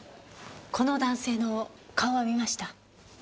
この男性の顔は見ました？